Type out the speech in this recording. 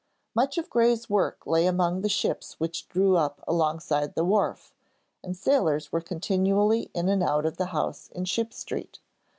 Much of Gray's work lay among the ships which drew up alongside the wharf, and sailors were continually in and out of the house in Ship Street.